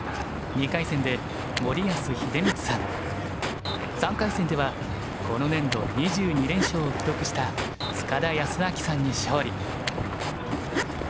２回戦で森安秀光さん３回戦ではこの年度２２連勝を記録した塚田泰明さんに勝利。